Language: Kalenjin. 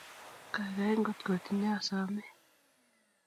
Kaikai ngotkotinye asome